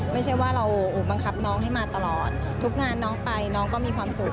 ไม่ใช่ว่าเราบังคับน้องให้มาตลอดทุกงานน้องไปน้องก็มีความสุข